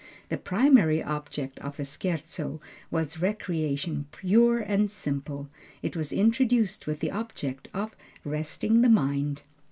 The primary object of the Scherzo was recreation pure and simple. It was introduced with the object of resting the mind.